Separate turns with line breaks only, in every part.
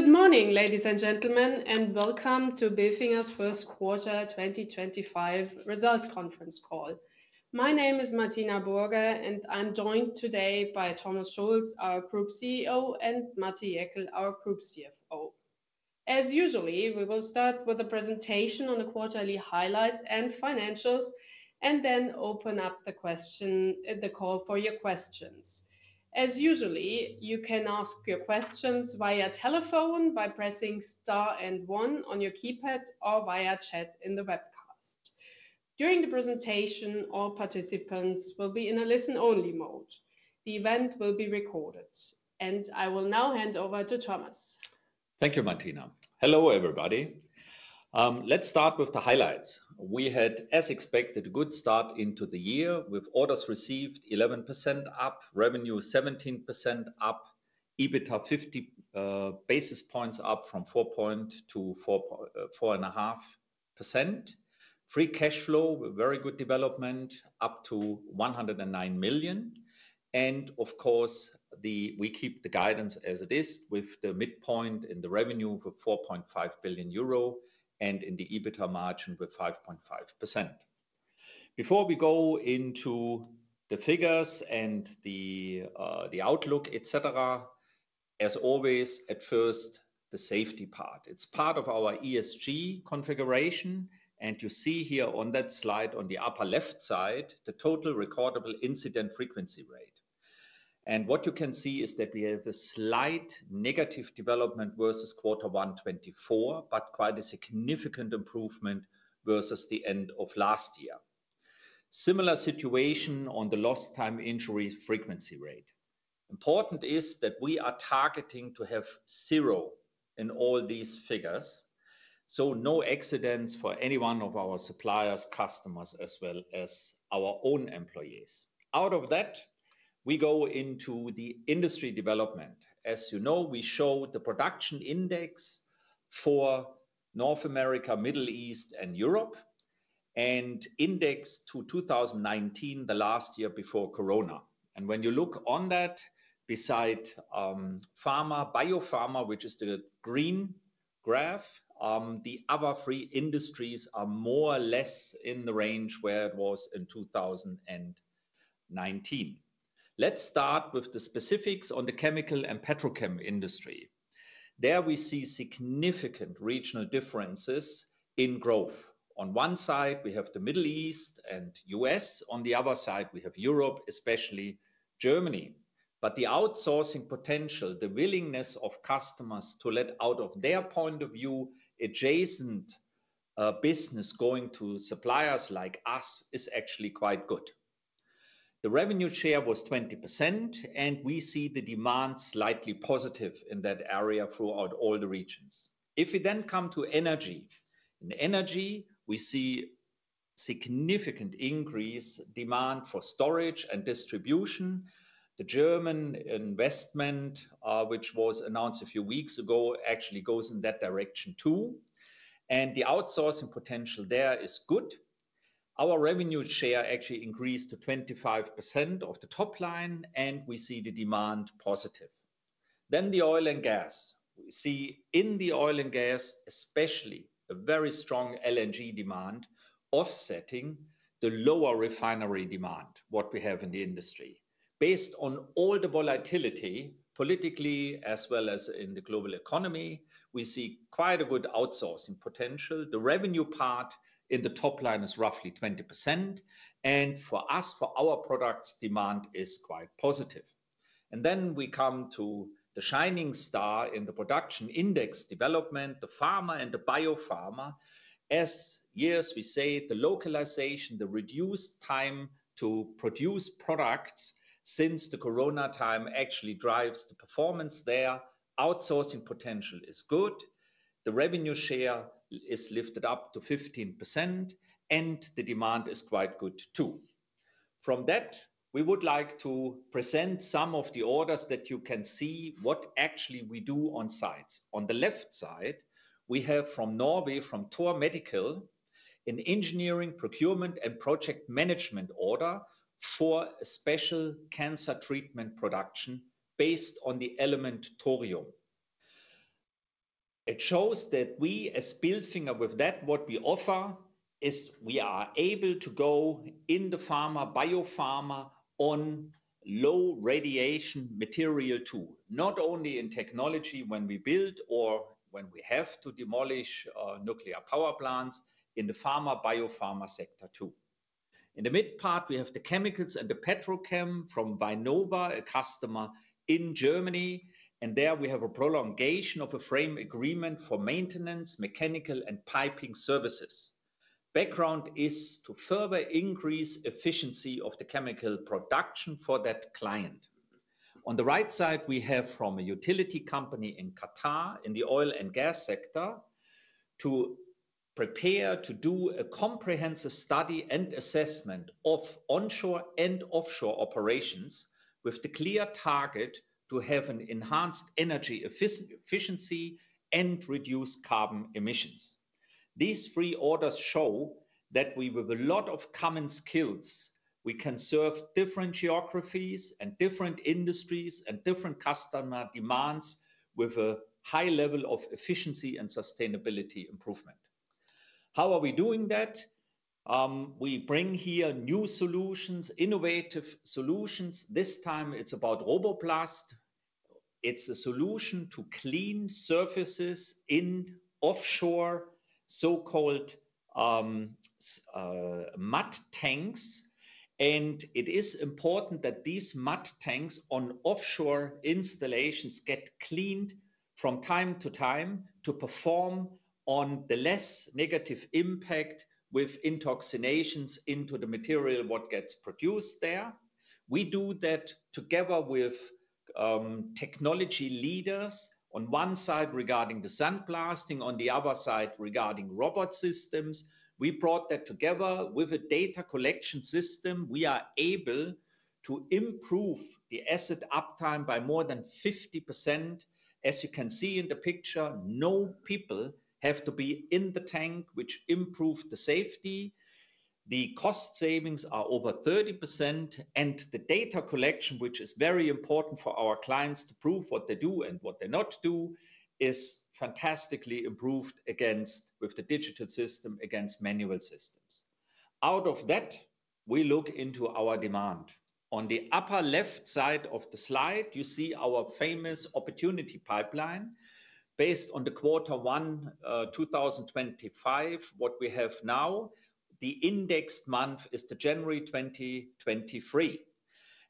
Good morning, ladies and gentlemen, and welcome to Bilfinger's first quarter 2025 results conference call. My name is Martina Burger, and I'm joined today by Thomas Schulz, our Group CEO, and Matti Jäkel, our Group CFO. As usual, we will start with a presentation on the quarterly highlights and financials, and then open up the call for your questions. As usual, you can ask your questions via telephone by pressing star and one on your keypad or via chat in the webcast. During the presentation, all participants will be in a listen-only mode. The event will be recorded, and I will now hand over to Thomas.
Thank you, Matti. Hello, everybody. Let's start with the highlights. We had, as expected, a good start into the year with orders received 11% up, revenue 17% up, EBITDA 50 basis points up from 4.2% to 4.5%. Free cash flow, very good development, up to 109 million. Of course, we keep the guidance as it is with the midpoint in the revenue for 4.5 billion euro and in the EBITDA margin with 5.5%. Before we go into the figures and the outlook, etc., as always, at first, the safety part. It's part of our ESG configuration, and you see here on that slide on the upper left side the total recordable incident frequency rate. What you can see is that we have a slight negative development versus quarter 1 2024, but quite a significant improvement versus the end of last year. Similar situation on the lost time injury frequency rate. Important is that we are targeting to have zero in all these figures, so no accidents for any one of our suppliers, customers, as well as our own employees. Out of that, we go into the industry development. As you know, we show the production index for North America, Middle East, and Europe and index to 2019, the last year before Corona. When you look on that, beside pharma, biopharma, which is the green graph, the other three industries are more or less in the range where it was in 2019. Let's start with the specifics on the chemical and petrochem industry. There we see significant regional differences in growth. On one side, we have the Middle East and U.S. On the other side, we have Europe, especially Germany. The outsourcing potential, the willingness of customers to let out of their point of view adjacent business going to suppliers like us is actually quite good. The revenue share was 20%, and we see the demand slightly positive in that area throughout all the regions. If we then come to energy, in energy, we see a significant increase in demand for storage and distribution. The German investment, which was announced a few weeks ago, actually goes in that direction too. The outsourcing potential there is good. Our revenue share actually increased to 25% of the top line, and we see the demand positive. Then the oil and gas. We see in the oil and gas, especially a very strong LNG demand offsetting the lower refinery demand, what we have in the industry. Based on all the volatility, politically as well as in the global economy, we see quite a good outsourcing potential. The revenue part in the top line is roughly 20%, and for us, for our products, demand is quite positive. Then we come to the shining star in the production index development, the pharma and the biopharma. As yes, we say, the localization, the reduced time to produce products since the Corona time actually drives the performance there. Outsourcing potential is good. The revenue share is lifted up to 15%, and the demand is quite good too. From that, we would like to present some of the orders that you can see what actually we do on sites. On the left side, we have from Norway, from Thor Medical, an engineering procurement and project management order for a special cancer treatment production based on the element thorium. It shows that we, as Bilfinger, with that, what we offer is we are able to go in the pharma, biopharma on low radiation material too, not only in technology when we build or when we have to demolish nuclear power plants, in the pharma, biopharma sector too. In the mid part, we have the chemicals and the petrochem from Vynova, a customer in Germany, and there we have a prolongation of a frame agreement for maintenance, mechanical, and piping services. Background is to further increase efficiency of the chemical production for that client. On the right side, we have from a utility company in Qatar in the oil and gas sector to prepare to do a comprehensive study and assessment of onshore and offshore operations with the clear target to have an enhanced energy efficiency and reduce carbon emissions. These three orders show that we, with a lot of common skills, can serve different geographies and different industries and different customer demands with a high level of efficiency and sustainability improvement. How are we doing that? We bring here new solutions, innovative solutions. This time it's about Robo Blast]. It's a solution to clean surfaces in offshore, so-called mud tanks, and it is important that these mud tanks on offshore installations get cleaned from time to time to perform on the less negative impact with intoxications into the material what gets produced there. We do that together with technology leaders on one side regarding the sandblasting, on the other side regarding robot systems. We brought that together with a data collection system. We are able to improve the asset uptime by more than 50%. As you can see in the picture, no people have to be in the tank, which improves the safety. The cost savings are over 30%, and the data collection, which is very important for our clients to prove what they do and what they not do, is fantastically improved with the digital system against manual systems. Out of that, we look into our demand. On the upper left side of the slide, you see our famous opportunity pipeline based on the quarter 1, 2025, what we have now. The indexed month is January 2023.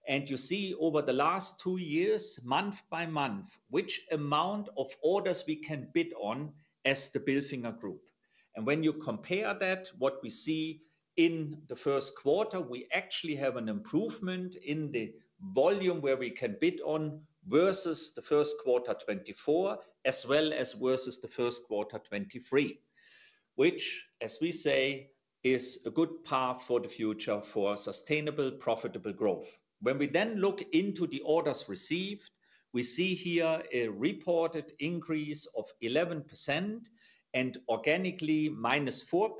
And you see over the last two years, month by month, which amount of orders we can bid on as the Bilfinger Group. When you compare that, what we see in the first quarter, we actually have an improvement in the volume where we can bid on versus the first quarter 2024, as well as versus the first quarter 2023, which, as we say, is a good path for the future for sustainable, profitable growth. When we then look into the orders received, we see here a reported increase of 11% and organically minus 4%.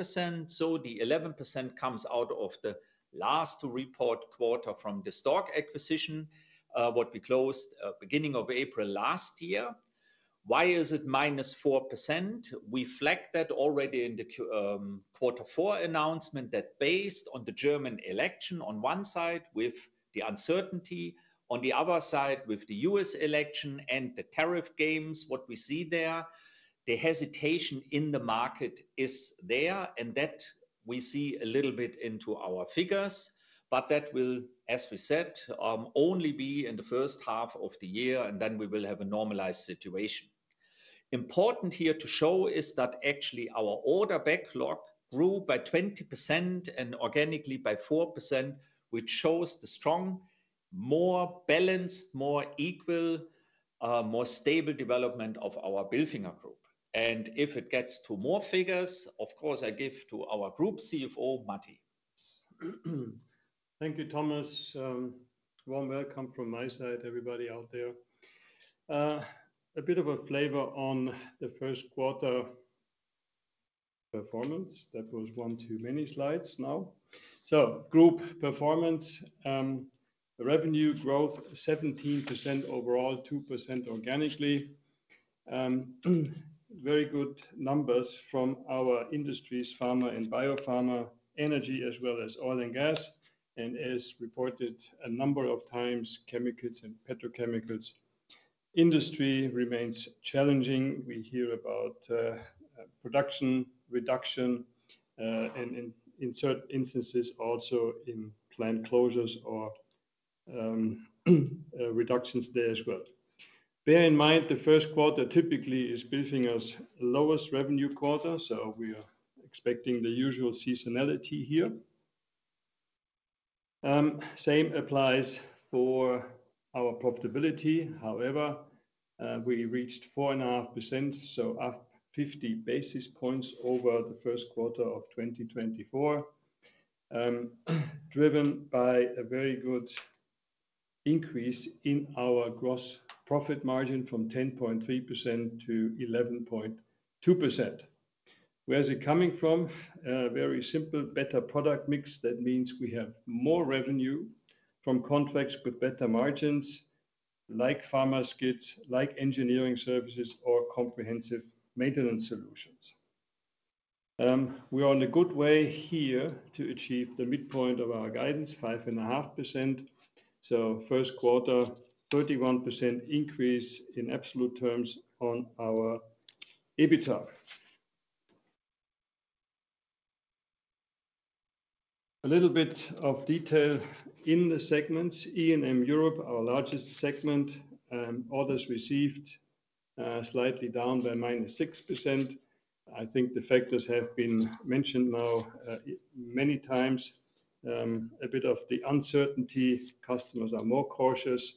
The 11% comes out of the last report quarter from the Stork acquisition, what we closed beginning of April last year. Why is it minus 4%? We flagged that already in the quarter four announcement that based on the German election on one side with the uncertainty, on the other side with the U.S. Election and the tariff games, what we see there, the hesitation in the market is there, and that we see a little bit into our figures, but that will, as we said, only be in the first half of the year, and then we will have a normalized situation. Important here to show is that actually our order backlog grew by 20% and organically by 4%, which shows the strong, more balanced, more equal, more stable development of our Bilfinger Group. If it gets to more figures, of course, I give to our Group CFO, Matti.
Thank you, Thomas. Warm welcome from my side, everybody out there. A bit of a flavor on the first quarter performance. That was one too many slides now. Group performance, revenue growth 17% overall, 2% organically. Very good numbers from our industries, pharma and biopharma, energy as well as oil and gas, and as reported a number of times, chemicals and petrochemicals industry remains challenging. We hear about production reduction and in certain instances also in plant closures or reductions there as well. Bear in mind the first quarter typically is Bilfinger's lowest revenue quarter, so we are expecting the usual seasonality here. Same applies for our profitability. However, we reached 4.5%, so up 50 basis points over the first quarter of 2024, driven by a very good increase in our gross profit margin from 10.3% to 11.2%. Where is it coming from? Very simple, better product mix. That means we have more revenue from contracts with better margins like pharma kits, like engineering services, or comprehensive maintenance solutions. We are on a good way here to achieve the midpoint of our guidance, 5.5%. First quarter, 31% increase in absolute terms on our EBITDA. A little bit of detail in the segments. E&M Europe, our largest segment, orders received slightly down by -6%. I think the factors have been mentioned now many times. A bit of the uncertainty, customers are more cautious,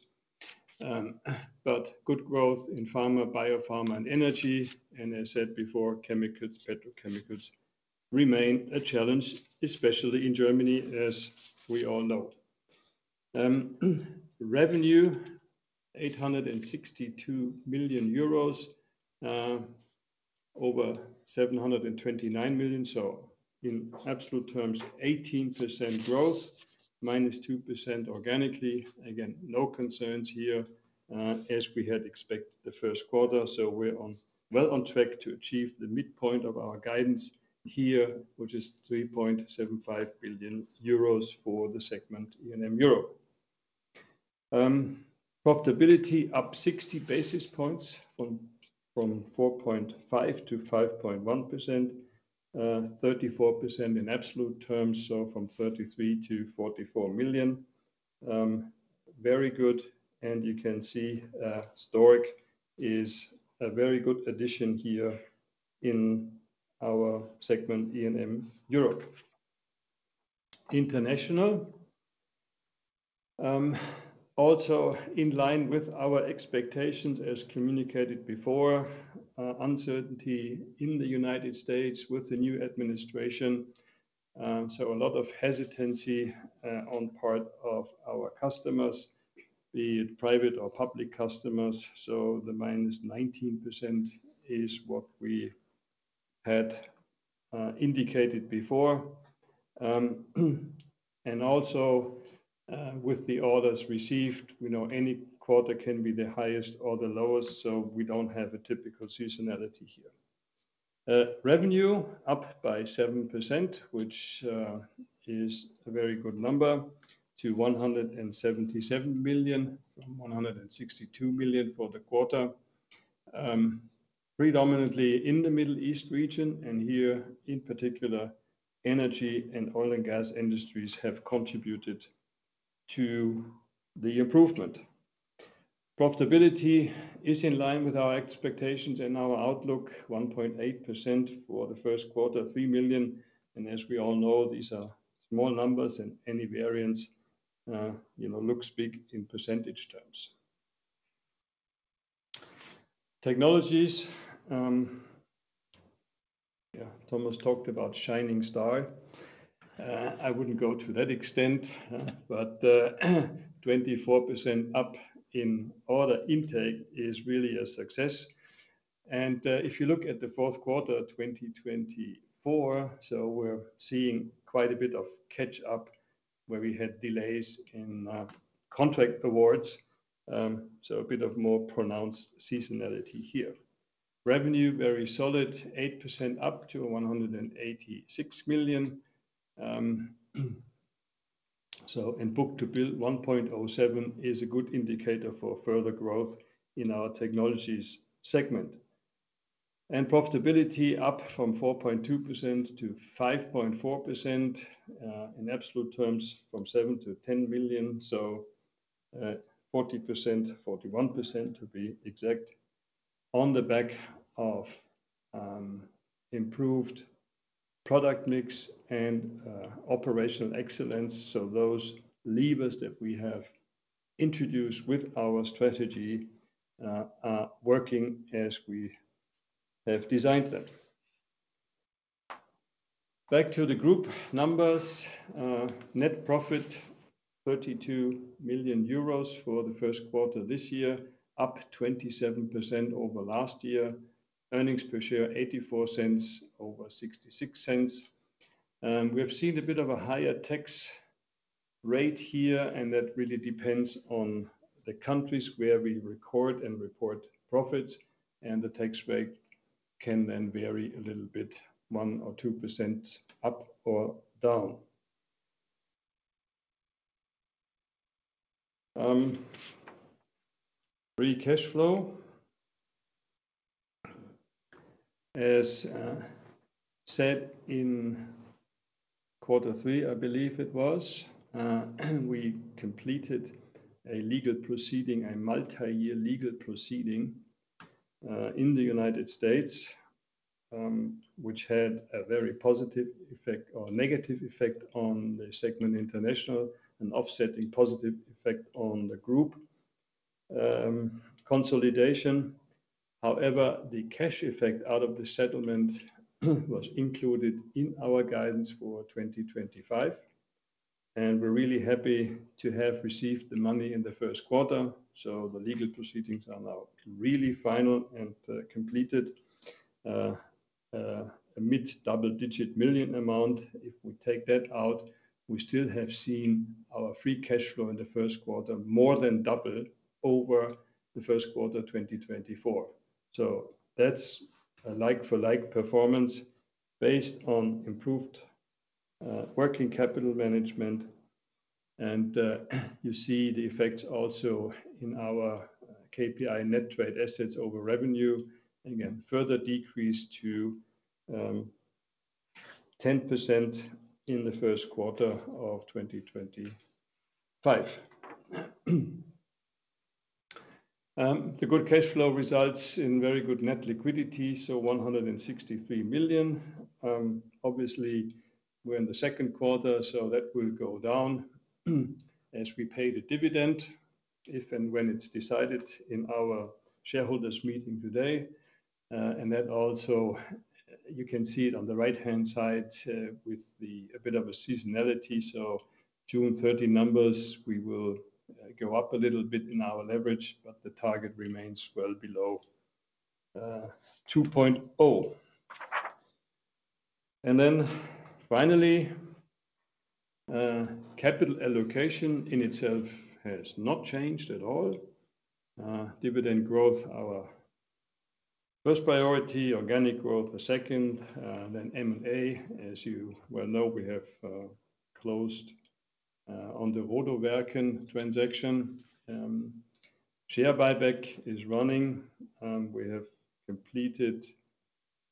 but good growth in pharma, biopharma, and energy. As I said before, chemicals, petrochemicals remain a challenge, especially in Germany, as we all know. Revenue, 862 million euros, over 729 million. In absolute terms, 18% growth, -2% organically. Again, no concerns here as we had expected the first quarter. We're well on track to achieve the midpoint of our guidance here, which is 3.75 billion euros for the segment E&M Europe. Profitability up 60 basis points from 4.5% to 5.1%, 34% in absolute terms, so from 33 million to 44 million. Very good. You can see Stork is a very good addition here in our segment E&M Europe. International, also in line with our expectations as communicated before, uncertainty in the United States with the new administration. A lot of hesitancy on part of our customers, be it private or public customers. The -19% is what we had indicated before. Also with the orders received, we know any quarter can be the highest or the lowest, so we don't have a typical seasonality here. Revenue up by 7%, which is a very good number to 177 million, 162 million for the quarter, predominantly in the Middle East region. Here in particular, energy and oil and gas industries have contributed to the improvement. Profitability is in line with our expectations and our outlook, 1.8% for the first quarter, 3 million. As we all know, these are small numbers and any variance looks big in percentage terms. Technologies, Thomas talked about shining star. I wouldn't go to that extent, but 24% up in order intake is really a success. If you look at the fourth quarter 2024, we're seeing quite a bit of catch-up where we had delays in contract awards. A bit of more pronounced seasonality here. Revenue, very solid, 8% up to 186 million. Book-to-bill 1.07 is a good indicator for further growth in our Technologies segment. Profitability up from 4.2% to 5.4% in absolute terms from 7 million to 10 million. So 40%, 41% to be exact on the back of improved product mix and operational excellence. Those levers that we have introduced with our strategy are working as we have designed them. Back to the group numbers, net profit 32 million euros for the first quarter this year, up 27% over last year. Earnings per share, 0.84 over 0.66. We have seen a bit of a higher tax rate here, and that really depends on the countries where we record and report profits, and the tax rate can then vary a little bit, 1% or 2% up or down. Free cash flow, as said in quarter three, I believe it was, we completed a legal proceeding, a multi-year legal proceeding in the United States, which had a very positive effect or negative effect on the segment international and offsetting positive effect on the group consolidation. However, the cash effect out of the settlement was included in our guidance for 2025, and we're really happy to have received the money in the first quarter. The legal proceedings are now really final and completed. A mid double-digit million amount, if we take that out, we still have seen our free cash flow in the first quarter more than double over the first quarter 2024. That is like-for-like performance based on improved working capital management. You see the effects also in our KPI net trade assets over revenue, again, further decreased to 10% in the first quarter of 2025. The good cash flow results in very good net liquidity, so 163 million. Obviously, we're in the second quarter, so that will go down as we pay the dividend if and when it's decided in our shareholders meeting today. That also, you can see it on the right-hand side with a bit of a seasonality. June 30 numbers, we will go up a little bit in our leverage, but the target remains well below 2.0. Finally, capital allocation in itself has not changed at all. Dividend growth, our first priority, organic growth, the second, then M&A. As you well know, we have closed on the Rodoverken transaction. Share buyback is running. We have completed,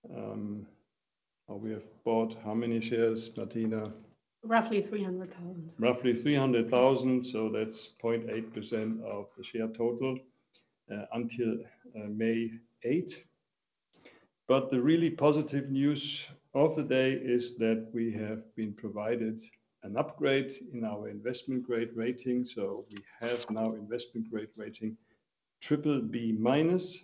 or we have bought how many shares, Martina?
Roughly 300,000.
Roughly 300,000. So that's 0.8% of the share total until May 8. The really positive news of the day is that we have been provided an upgrade in our investment grade rating. We have now investment grade rating triple B minus.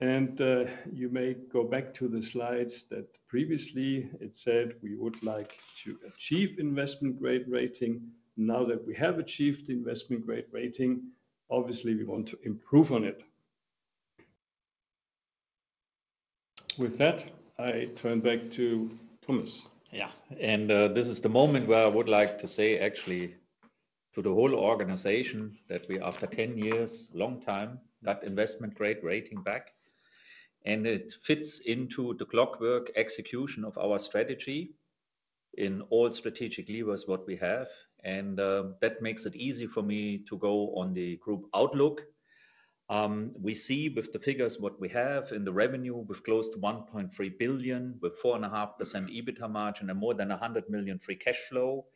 You may go back to the slides that previously it said we would like to achieve investment grade rating. Now that we have achieved investment grade rating, obviously we want to improve on it. With that, I turn back to Thomas.
Yeah, and this is the moment where I would like to say actually to the whole organization that we after 10 years, long time, got investment grade rating back. It fits into the clockwork execution of our strategy in all strategic levers what we have. That makes it easy for me to go on the group outlook. We see with the figures what we have in the revenue with close to 1.3 billion, with 4.5% EBITDA margin and more than 100 million free cash flow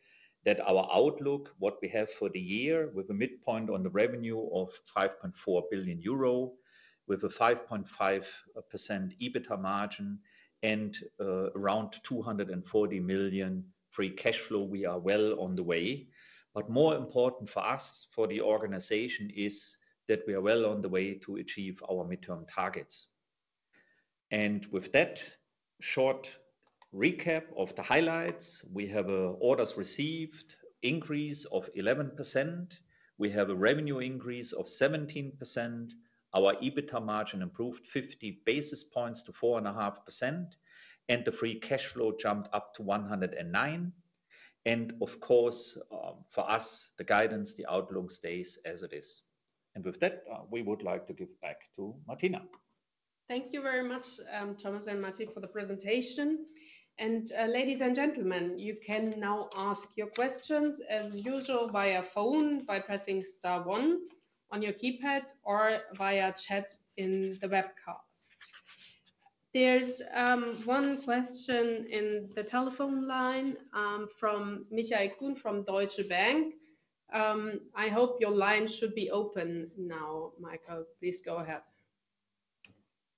that our outlook what we have for the year with a midpoint on the revenue of 5.4 billion euro with a 5.5% EBITDA margin and around 240 million free cash flow, we are well on the way. More important for us, for the organization is that we are well on the way to achieve our midterm targets. With that short recap of the highlights, we have an orders received increase of 11%. We have a revenue increase of 17%. Our EBITDA margin improved 50 basis points to 4.5%. The free cash flow jumped up to 109 million. Of course, for us, the guidance, the outlook stays as it is. With that, we would like to give back to Martina.
Thank you very much, Thomas and Matti, for the presentation. Ladies and gentlemen, you can now ask your questions as usual via phone by pressing star one on your keypad or via chat in the webcast. There is one question in the telephone line from Michael Kuhn from Deutsche Bank. I hope your line should be open now, Michael. Please go ahead.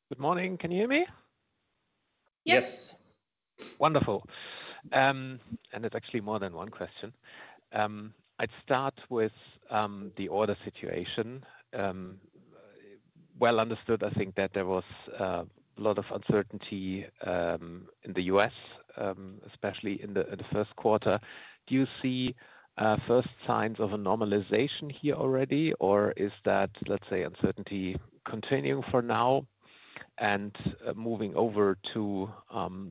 Good morning. Can you hear me?
Yes.
Yes. Wonderful. And it's actually more than one question. I'd start with the order situation. Understood, I think that there was a lot of uncertainty in the U.S., especially in the first quarter. Do you see first signs of a normalization here already, or is that, let's say, uncertainty continuing for now and moving over to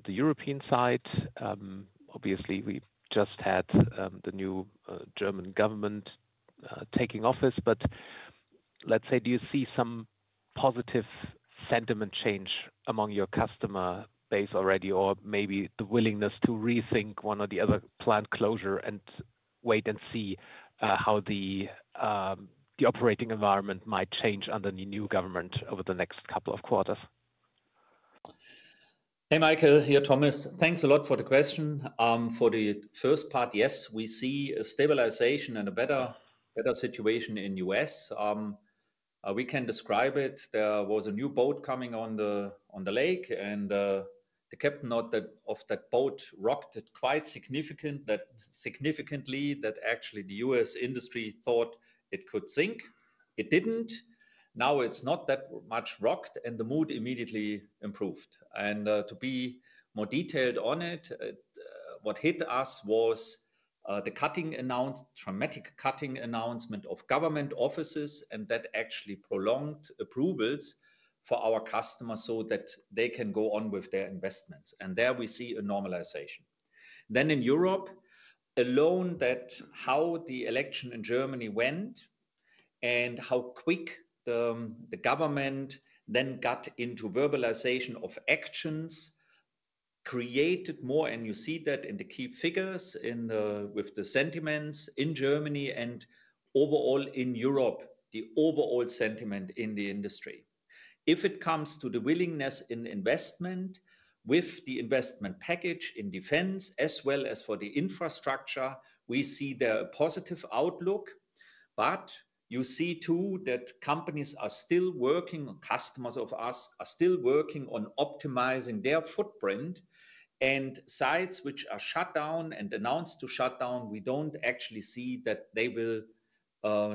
the European side? Obviously, we just had the new German government taking office, but let's say, do you see some positive sentiment change among your customer base already, or maybe the willingness to rethink one or the other plant closure and wait and see how the operating environment might change under the new government over the next couple of quarters?
Hey, Michael, here Thomas. Thanks a lot for the question. For the first part, yes, we see a stabilization and a better situation in the U.S. We can describe it. There was a new boat coming on the lake, and the captain of that boat rocked it quite significantly that actually the U.S. industry thought it could sink. It did not. Now it is not that much rocked, and the mood immediately improved. To be more detailed on it, what hit us was the cutting announcement, dramatic cutting announcement of government offices, and that actually prolonged approvals for our customers so that they can go on with their investments. There we see a normalization. In Europe, alone that how the election in Germany went and how quick the government then got into verbalization of actions created more, and you see that in the key figures with the sentiments in Germany and overall in Europe, the overall sentiment in the industry. If it comes to the willingness in investment with the investment package in defense as well as for the infrastructure, we see there a positive outlook. You see too that companies are still working, customers of us are still working on optimizing their footprint. Sites which are shut down and announced to shut down, we do not actually see that they will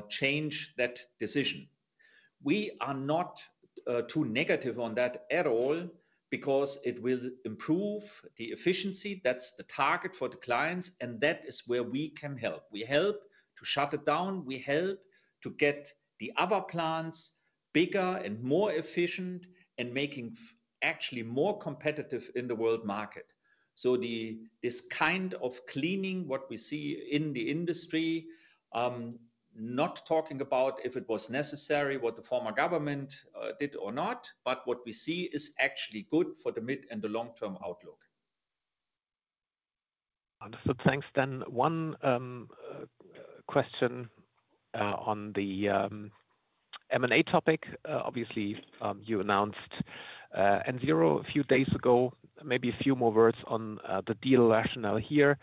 change that decision. We are not too negative on that at all because it will improve the efficiency. That is the target for the clients, and that is where we can help. We help to shut it down. We help to get the other plants bigger and more efficient and making actually more competitive in the world market. This kind of cleaning what we see in the industry, not talking about if it was necessary, what the former government did or not, but what we see is actually good for the mid and the long-term outlook.
Understood. Thanks. Then one question on the M&A topic. Obviously, you announced NZERO a few days ago. Maybe a few more words on the deal rationale here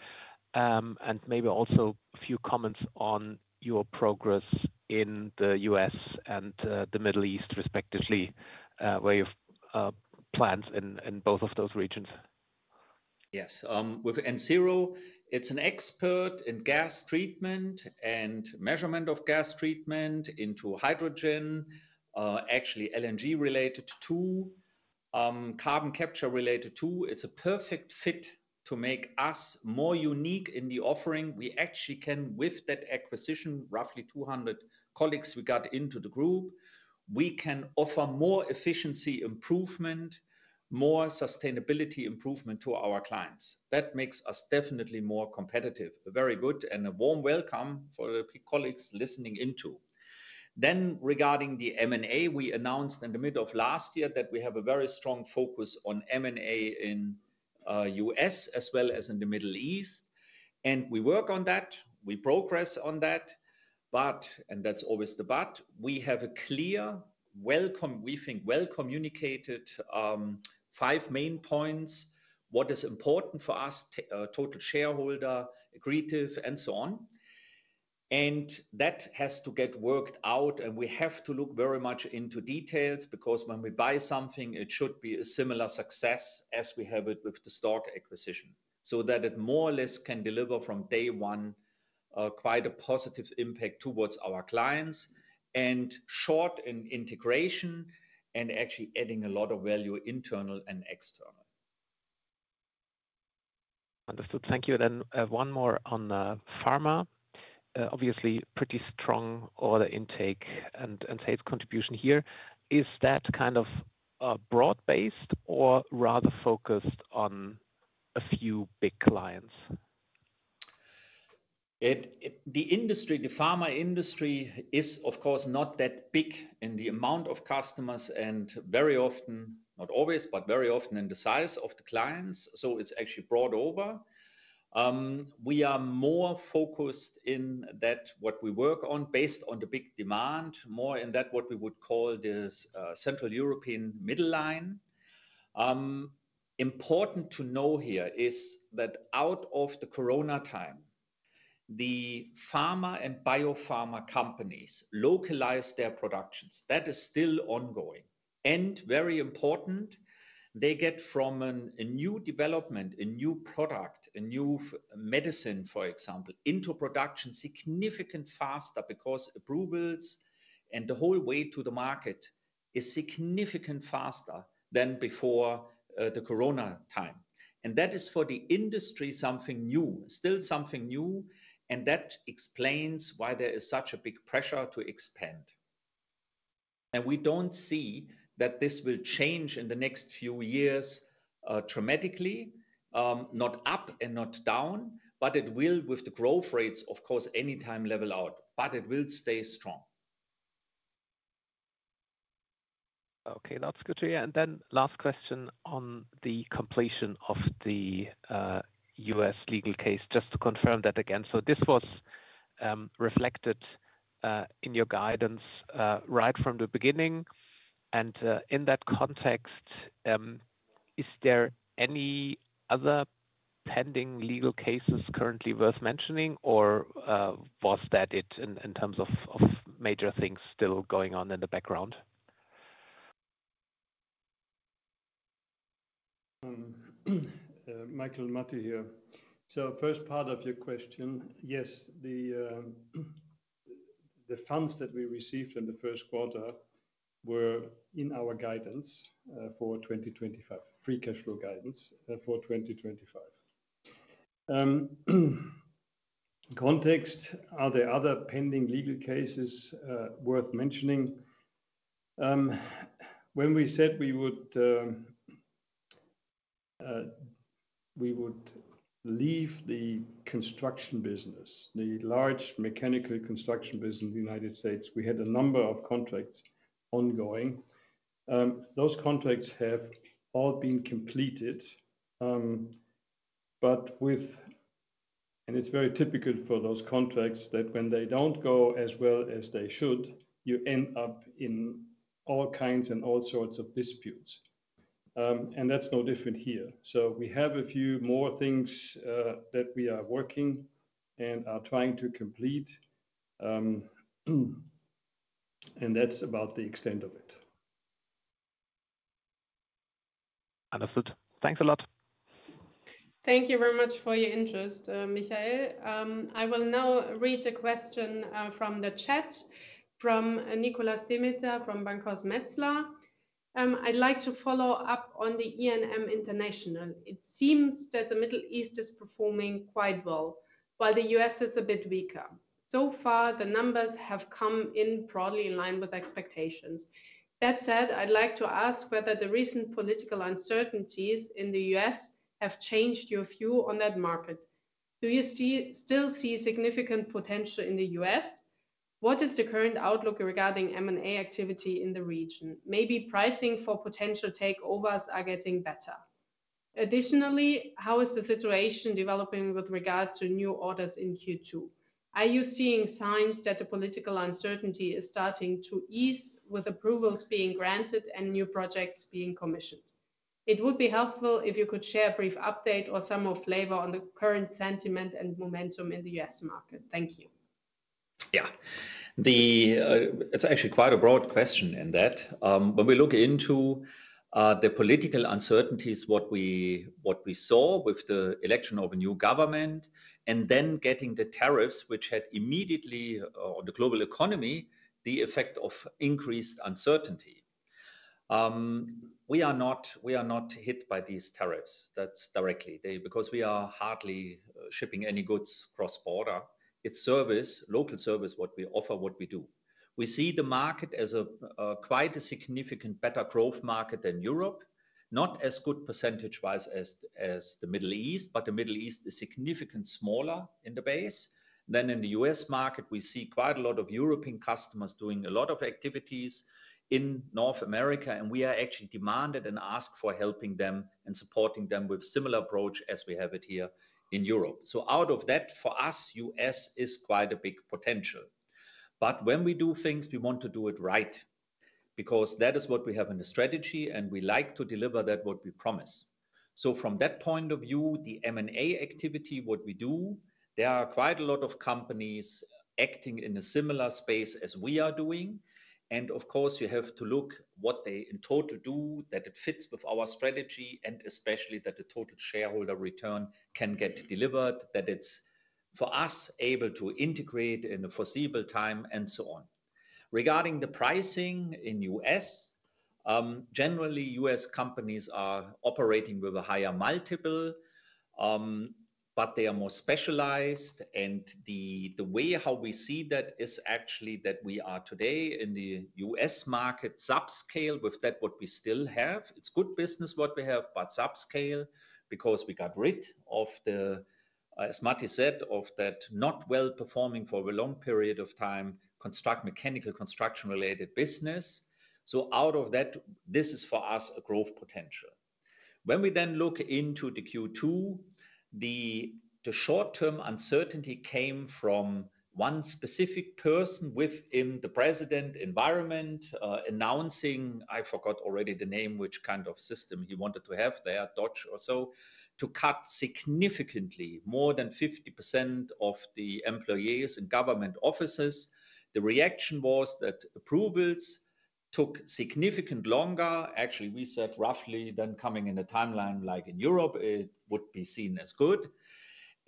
and maybe also a few comments on your progress in the U.S. and the Middle East, respectively, where you have plans in both of those regions.
Yes. With NZERO, it's an expert in gas treatment and measurement of gas treatment into hydrogen, actually LNG related too, carbon capture related too. It's a perfect fit to make us more unique in the offering. We actually can, with that acquisition, roughly 200 colleagues we got into the group, we can offer more efficiency improvement, more sustainability improvement to our clients. That makes us definitely more competitive. A very good and a warm welcome for the colleagues listening in too. Regarding the M&A, we announced in the middle of last year that we have a very strong focus on M&A in the U.S. as well as in the Middle East. We work on that. We progress on that. But, and that's always the but, we have a clear, we think well communicated five main points. What is important for us, total shareholder, agree to, and so on. That has to get worked out, and we have to look very much into details because when we buy something, it should be a similar success as we have it with the Stork acquisition so that it more or less can deliver from day one quite a positive impact towards our clients and short in integration and actually adding a lot of value internal and external.
Understood. Thank you. Then one more on pharma. Obviously, pretty strong order intake and sales contribution here. Is that kind of broad-based or rather focused on a few big clients?
The industry, the pharma industry is, of course, not that big in the amount of customers and very often, not always, but very often in the size of the clients. It is actually brought over. We are more focused in that what we work on based on the big demand, more in that what we would call this Central European middle line. Important to know here is that out of the corona time, the pharma and biopharma companies localized their productions. That is still ongoing. Very important, they get from a new development, a new product, a new medicine, for example, into production significantly faster because approvals and the whole way to the market is significantly faster than before the corona time. That is for the industry something new, still something new, and that explains why there is such a big pressure to expand. We do not see that this will change in the next few years dramatically, not up and not down, but it will, with the growth rates, of course, anytime level out, but it will stay strong.
Okay. That's good to hear. Then last question on the completion of the U.S. legal case, just to confirm that again. This was reflected in your guidance right from the beginning. In that context, is there any other pending legal cases currently worth mentioning, or was that it in terms of major things still going on in the background?
Michael, Matti here. First part of your question, yes, the funds that we received in the first quarter were in our guidance for 2025, free cash flow guidance for 2025. Context, are there other pending legal cases worth mentioning? When we said we would leave the construction business, the large mechanical construction business in the U.S., we had a number of contracts ongoing. Those contracts have all been completed. It is very typical for those contracts that when they do not go as well as they should, you end up in all kinds and all sorts of disputes. That is no different here. We have a few more things that we are working and are trying to complete. That is about the extent of it.
Understood. Thanks a lot.
Thank you very much for your interest, Michael. I will now read a question from the chat from Nikolas Demeter Demeester from Bankhaus Metzler. I'd like to follow up on the E&M International. It seems that the Middle East is performing quite well, while the U.S. is a bit weaker. So far, the numbers have come in broadly in line with expectations. That said, I'd like to ask whether the recent political uncertainties in the U.S. have changed your view on that market. Do you still see significant potential in the U.S.? What is the current outlook regarding M&A activity in the region? Maybe pricing for potential takeovers are getting better. Additionally, how is the situation developing with regard to new orders in Q2? Are you seeing signs that the political uncertainty is starting to ease with approvals being granted and new projects being commissioned? It would be helpful if you could share a brief update or some more flavor on the current sentiment and momentum in the U.S. market. Thank you.
Yeah. It's actually quite a broad question in that. When we look into the political uncertainties, what we saw with the election of a new government and then getting the tariffs, which had immediately on the global economy, the effect of increased uncertainty. We are not hit by these tariffs directly because we are hardly shipping any goods cross-border. It's service, local service, what we offer, what we do. We see the market as quite a significant better growth market than Europe, not as good percentage-wise as the Middle East, but the Middle East is significantly smaller in the base. In the U.S. market, we see quite a lot of European customers doing a lot of activities in North America, and we are actually demanded and asked for helping them and supporting them with a similar approach as we have it here in Europe. Out of that, for us, U.S. is quite a big potential. When we do things, we want to do it right because that is what we have in the strategy, and we like to deliver that what we promise. From that point of view, the M&A activity, what we do, there are quite a lot of companies acting in a similar space as we are doing. Of course, you have to look what they in total do, that it fits with our strategy, and especially that the total shareholder return can get delivered, that it's for us able to integrate in a foreseeable time and so on. Regarding the pricing in the U.S., generally, U.S. companies are operating with a higher multiple, but they are more specialized. The way how we see that is actually that we are today in the U.S. market subscale with that what we still have. It's good business what we have, but subscale because we got rid of the, as Matti said, of that not well performing for a long period of time mechanical construction-related business. Out of that, this is for us a growth potential. When we then look into the Q2, the short-term uncertainty came from one specific person within the president environment announcing, I forgot already the name, which kind of system he wanted to have there, [Dodge] or so, to cut significantly more than 50% of the employees in government offices. The reaction was that approvals took significantly longer. Actually, we said roughly then coming in a timeline like in Europe, it would be seen as good.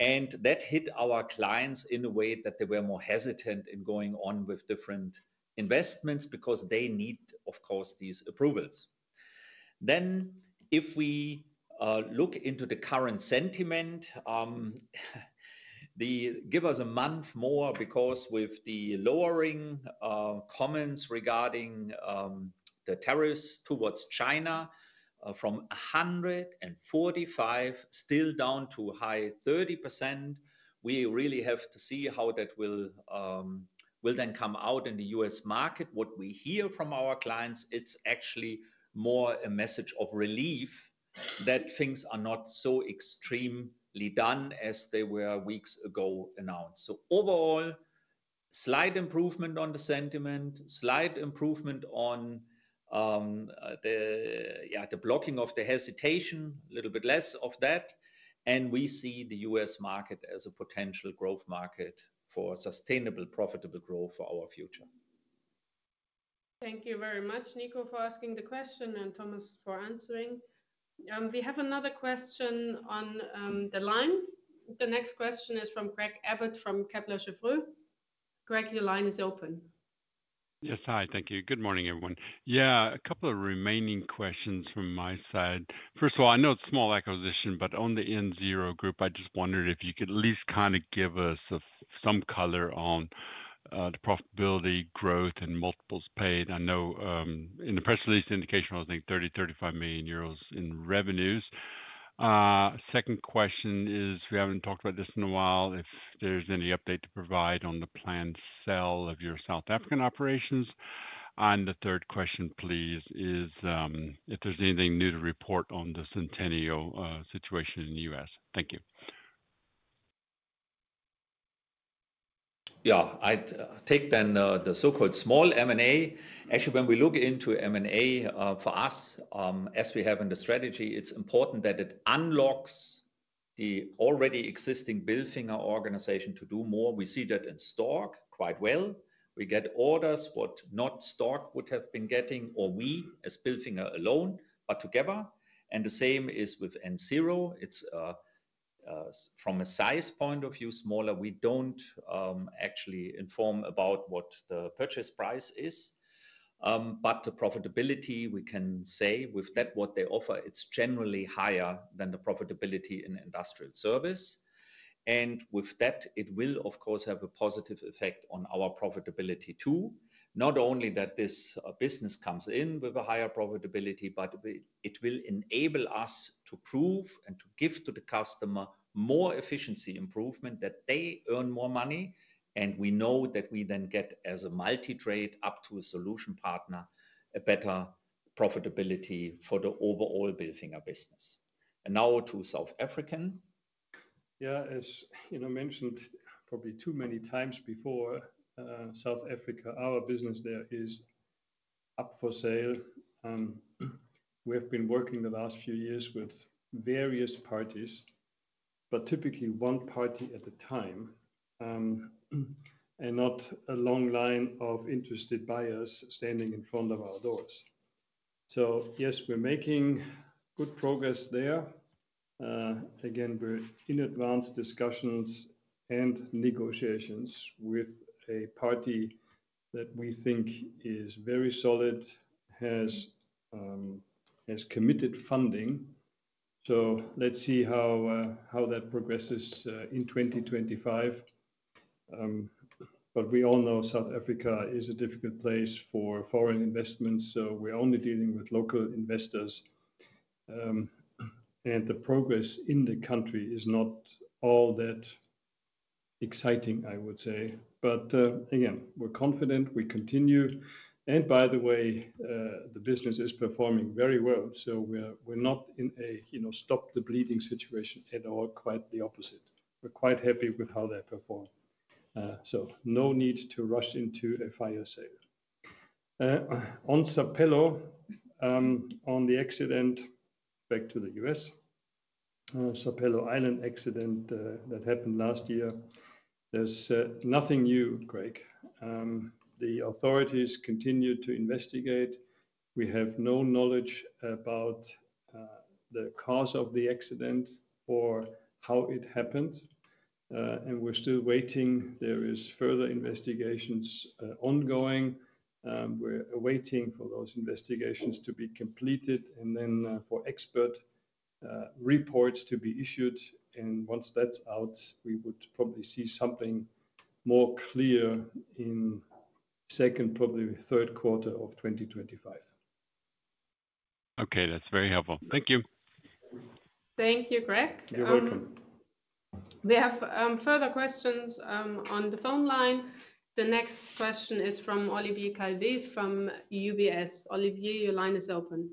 That hit our clients in a way that they were more hesitant in going on with different investments because they need, of course, these approvals. If we look into the current sentiment, give us a month more because with the lowering comments regarding the tariffs towards China from 145% still down to high 30%, we really have to see how that will then come out in the U.S. market. What we hear from our clients, it's actually more a message of relief that things are not so extremely done as they were weeks ago announced. Overall, slight improvement on the sentiment, slight improvement on the blocking of the hesitation, a little bit less of that. We see the U.S. market as a potential growth market for sustainable, profitable growth for our future.
Thank you very much, Niko, for asking the question and Thomas for answering. We have another question on the line. The next question is from Craig Abbott from Kepler Cheuvreux. Greg, your line is open.
Yes, hi. Thank you. Good morning, everyone. Yeah, a couple of remaining questions from my side. First of all, I know it's a small acquisition, but on the NZERO Group, I just wondered if you could at least kind of give us some color on the profitability, growth, and multiples paid. I know in the press release indication, I was thinking 30-35 million euros in revenues. Second question is, we haven't talked about this in a while, if there's any update to provide on the planned sale of your South African operations. The third question, please, is if there's anything new to report on the Centennial situation in the US. Thank you.
Yeah. I take then the so-called small M&A. Actually, when we look into M&A for us, as we have in the strategy, it's important that it unlocks the already existing Bilfinger organization to do more. We see that in Stork quite well. We get orders what not Stork would have been getting or we as Bilfinger alone, but together. The same is with NZERO. It's from a size point of view, smaller. We don't actually inform about what the purchase price is. The profitability, we can say with that what they offer, it's generally higher than the profitability in industrial service. With that, it will, of course, have a positive effect on our profitability too. Not only that this business comes in with a higher profitability, but it will enable us to prove and to give to the customer more efficiency improvement that they earn more money. We know that we then get as a multi-trade up to a solution partner, a better profitability for the overall Bilfinger business. Now to South African.
Yeah, as you know, mentioned probably too many times before, South Africa, our business there is up for sale. We have been working the last few years with various parties, but typically one party at a time and not a long line of interested buyers standing in front of our doors. Yes, we're making good progress there. Again, we're in advanced discussions and negotiations with a party that we think is very solid, has committed funding. Let's see how that progresses in 2025. We all know South Africa is a difficult place for foreign investments, so we're only dealing with local investors. The progress in the country is not all that exciting, I would say. Again, we're confident. We continue. By the way, the business is performing very well. We're not in a stop the bleeding situation at all, quite the opposite. We're quite happy with how they perform. No need to rush into a fire sale. On Sapelo, on the accident back to the U.S., Sapelo Island accident that happened last year, there's nothing new, Craig. The authorities continue to investigate. We have no knowledge about the cause of the accident or how it happened. We're still waiting. There are further investigations ongoing. We're awaiting for those investigations to be completed and then for expert reports to be issued. Once that's out, we would probably see something more clear in second, probably third quarter of 2025.
Okay. That's very helpful. Thank you.
Thank you, Greg.
You're welcome.
We have further questions on the phone line. The next question is from Olivier Calvet from UBS. Olivier, your line is open.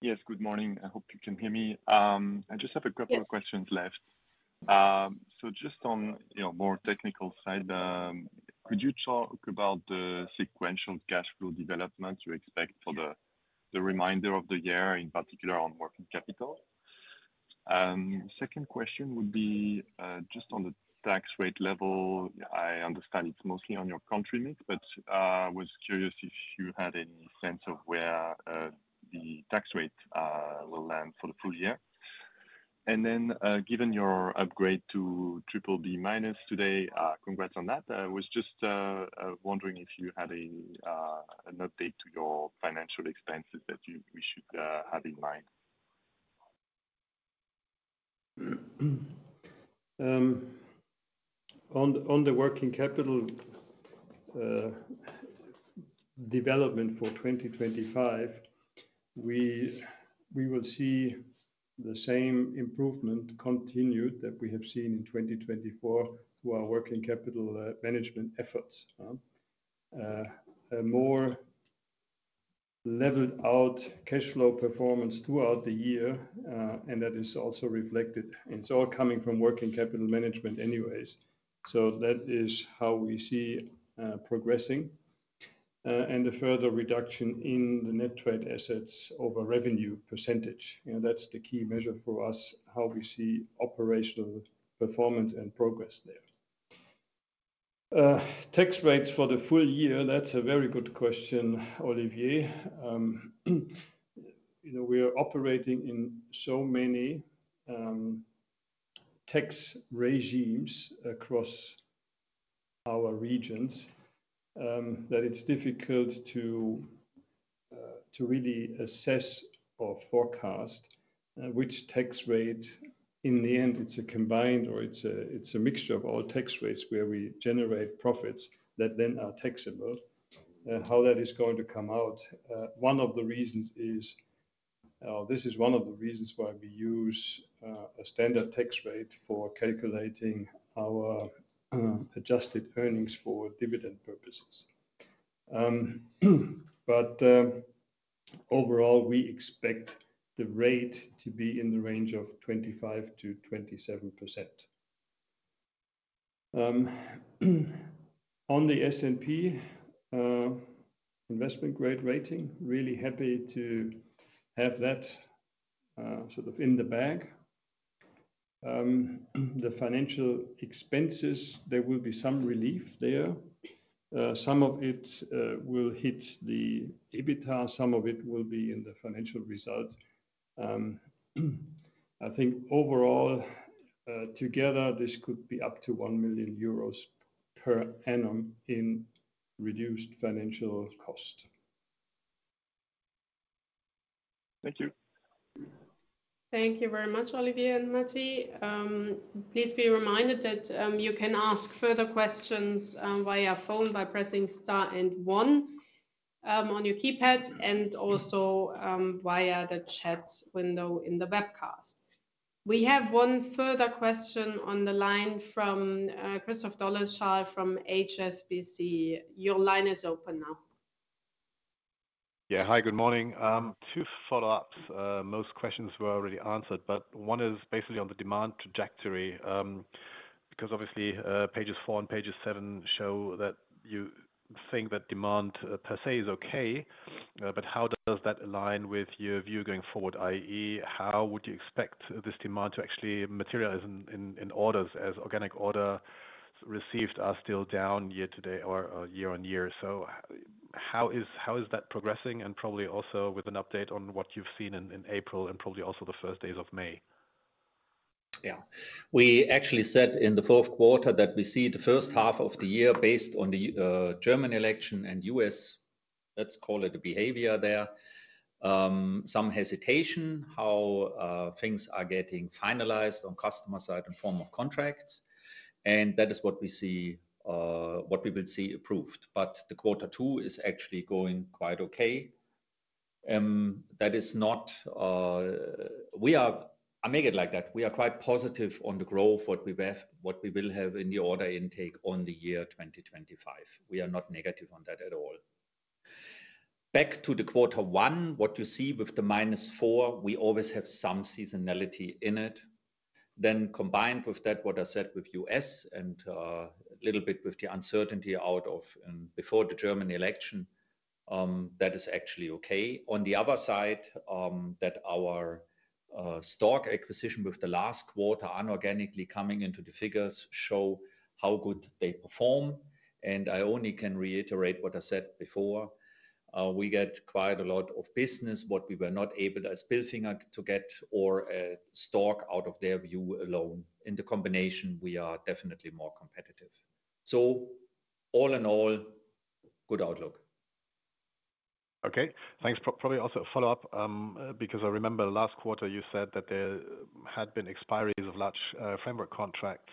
Yes, good morning. I hope you can hear me. I just have a couple of questions left. Just on a more technical side, could you talk about the sequential cash flow development you expect for the remainder of the year, in particular on working capital? Second question would be just on the tax rate level. I understand it's mostly on your country mix, but I was curious if you had any sense of where the tax rate will land for the full year. Given your upgrade to BBB minus today, congrats on that. I was just wondering if you had an update to your financial expenses that we should have in mind.
On the working capital development for 2025, we will see the same improvement continued that we have seen in 2024 through our working capital management efforts. More leveled out cash flow performance throughout the year, and that is also reflected. It's all coming from working capital management anyways. That is how we see progressing and a further reduction in the net trade assets over revenue %. That's the key measure for us, how we see operational performance and progress there. Tax rates for the full year, that's a very good question, Olivier. We are operating in so many tax regimes across our regions that it's difficult to really assess or forecast which tax rate in the end, it's a combined or it's a mixture of all tax rates where we generate profits that then are taxable. How that is going to come out, one of the reasons is, this is one of the reasons why we use a standard tax rate for calculating our adjusted earnings for dividend purposes. Overall, we expect the rate to be in the range of 25%-27%. On the S&P investment grade rating, really happy to have that sort of in the bag. The financial expenses, there will be some relief there. Some of it will hit the EBITDA. Some of it will be in the financial result. I think overall, together, this could be up to 1 million euros per annum in reduced financial cost.
Thank you.
Thank you very much, Olivier and Matti. Please be reminded that you can ask further questions via phone by pressing star and one on your keypad and also via the chat window in the webcast. We have one further question on the line from Christoph Dolleschal from HSBC. Your line is open now.
Yeah, hi, good morning. Two follow-ups. Most questions were already answered, but one is basically on the demand trajectory because obviously pages four and pages seven show that you think that demand per se is okay, but how does that align with your view going forward? I.e., how would you expect this demand to actually materialize in orders as organic order received are still down year to date or year-on-year? How is that progressing? And probably also with an update on what you've seen in April and probably also the first days of May.
Yeah. We actually said in the fourth quarter that we see the first half of the year based on the German election and U.S., let's call it a behavior there, some hesitation how things are getting finalized on customer side in form of contracts. That is what we see, what we will see approved. The quarter two is actually going quite okay. That is not, I make it like that. We are quite positive on the growth, what we will have in the order intake on the year 2025. We are not negative on that at all. Back to the quarter one, what you see with the minus four, we always have some seasonality in it. Then combined with that, what I said with U.S. and a little bit with the uncertainty out of before the German election, that is actually okay. On the other side, that our Stork acquisition with the last quarter unorganically coming into the figures shows how good they perform. I only can reiterate what I said before. We get quite a lot of business, what we were not able as Bilfinger to get or Stork out of their view alone. In the combination, we are definitely more competitive. All in all, good outlook.
Okay. Thanks. Probably also a follow-up because I remember last quarter you said that there had been expiries of large framework contracts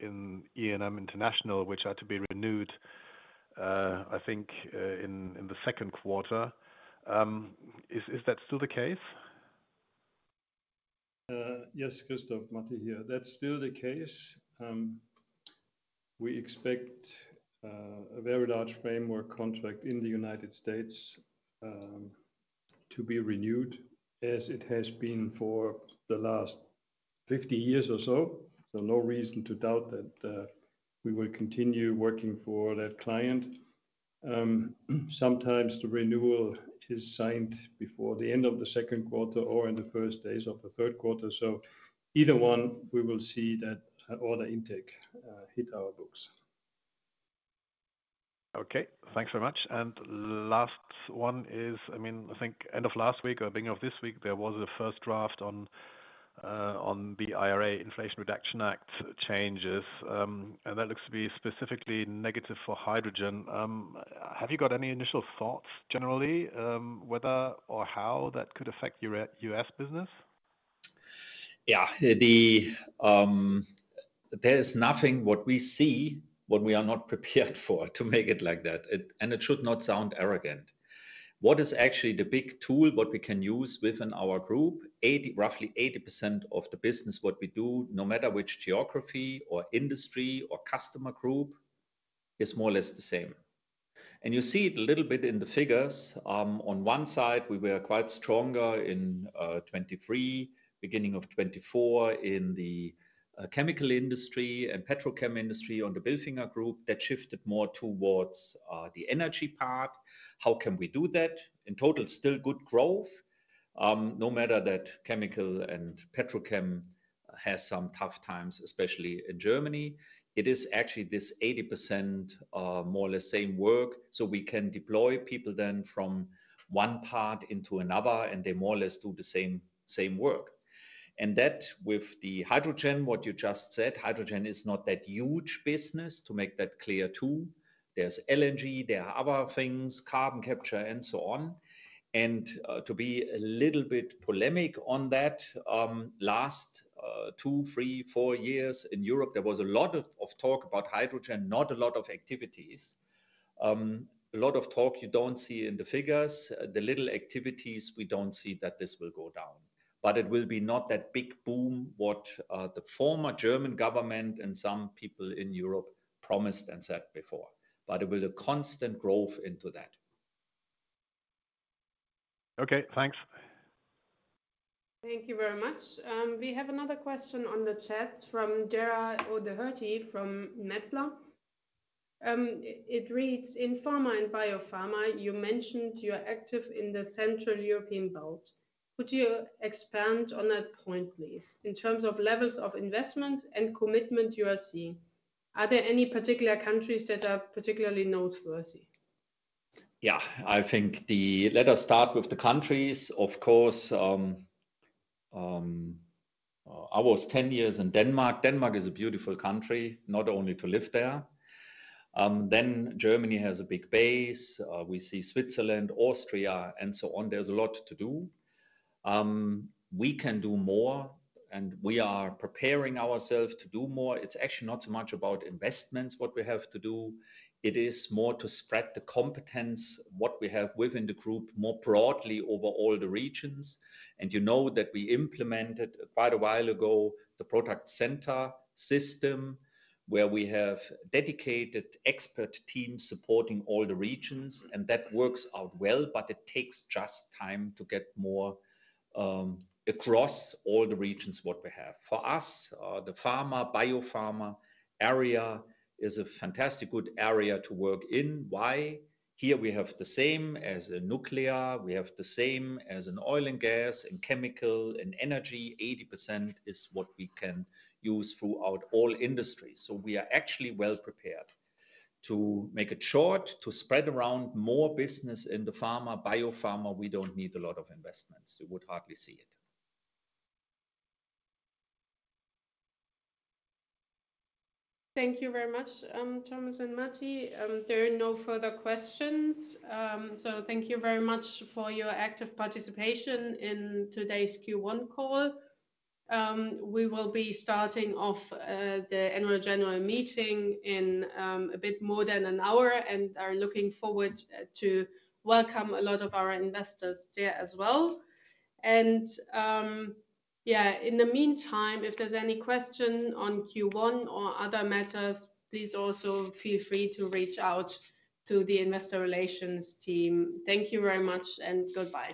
in E&M International, which had to be renewed, I think, in the second quarter. Is that still the case?
Yes, Christoph, Matti here. That is still the case. We expect a very large framework contract in the United States to be renewed as it has been for the last 50 years or so. No reason to doubt that we will continue working for that client. Sometimes the renewal is signed before the end of the second quarter or in the first days of the third quarter. Either one, we will see that order intake hit our books.
Okay. Thanks very much. Last one is, I mean, I think end of last week or beginning of this week, there was a first draft on the IRA, Inflation Reduction Act, changes. That looks to be specifically negative for hydrogen. Have you got any initial thoughts generally whether or how that could affect U.S. business?
Yeah. There is nothing what we see what we are not prepared for to make it like that. It should not sound arrogant. What is actually the big tool what we can use within our group, roughly 80% of the business what we do, no matter which geography or industry or customer group, is more or less the same. You see it a little bit in the figures. On one side, we were quite stronger in 2023, beginning of 2024 in the chemical industry and petrochem industry on the Bilfinger group. That shifted more towards the energy part. How can we do that? In total, still good growth. No matter that chemical and petrochem has some tough times, especially in Germany, it is actually this 80% more or less same work. We can deploy people then from one part into another and they more or less do the same work. That with the hydrogen, what you just said, hydrogen is not that huge business to make that clear too. There is LNG, there are other things, carbon capture and so on. To be a little bit polemic on that, last two, three, four years in Europe, there was a lot of talk about hydrogen, not a lot of activities. A lot of talk you do not see in the figures. The little activities, we do not see that this will go down. It will be not that big boom what the former German government and some people in Europe promised and said before. It will be a constant growth into that.
Okay. Thanks.
Thank you very much. We have another question on the chat from Gerard O'Doherty from Metzler. It reads, "In pharma and biopharma, you mentioned you're active in the Central European Belt. Could you expand on that point, please, in terms of levels of investments and commitment you are seeing? Are there any particular countries that are particularly noteworthy?
Yeah. I think let us start with the countries. Of course, I was 10 years in Denmark. Denmark is a beautiful country, not only to live there. Germany has a big base. We see Switzerland, Austria, and so on. There is a lot to do. We can do more, and we are preparing ourselves to do more. It is actually not so much about investments what we have to do. It is more to spread the competence what we have within the group more broadly over all the regions. You know that we implemented quite a while ago the product center system where we have dedicated expert teams supporting all the regions. That works out well, but it takes just time to get more across all the regions what we have. For us, the pharma, biopharma area is a fantastic good area to work in. Why? Here we have the same as in nuclear. We have the same as in oil and gas and chemical and energy. 80% is what we can use throughout all industries. So we are actually well prepared, to make it short, to spread around more business in pharma, biopharma, we do not need a lot of investments. You would hardly see it.
Thank you very much, Thomas and Matti. There are no further questions. Thank you very much for your active participation in today's Q1 call. We will be starting off the annual general meeting in a bit more than an hour and are looking forward to welcome a lot of our investors there as well. In the meantime, if there is any question on Q1 or other matters, please also feel free to reach out to the investor relations team. Thank you very much and goodbye.